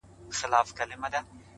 زه هم خطا وتمه!